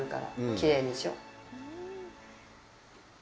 きれいでしょう。